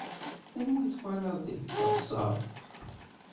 Anwa i twalaḍ deg teɣseṛt?